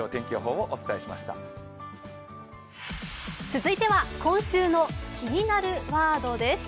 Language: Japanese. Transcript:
続いては今週の「気になるワード」です。